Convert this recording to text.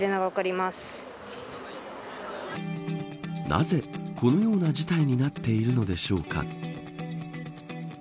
なぜこのような事態になっているのでしょうか。